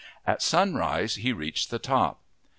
At sunrise he reached the top.